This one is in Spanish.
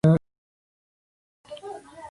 Se analizan.